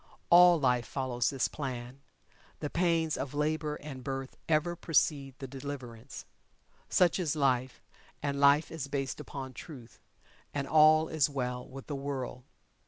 All Life follows this plan the pains of labor and birth ever precede the Deliverance. Such is Life and Life is based upon Truth and all is well with the world.